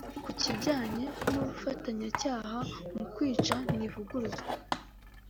Ku kijyanye n’ubufatanyacyaha mu kwica Ntivuguzwa